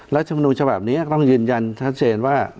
รัฐมนูลสภาพนี้ต้องยืนยันทักเชษว่า